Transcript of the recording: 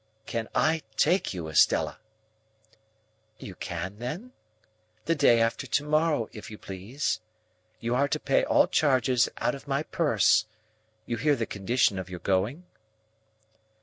"Can I take you, Estella!" "You can then? The day after to morrow, if you please. You are to pay all charges out of my purse. You hear the condition of your going?"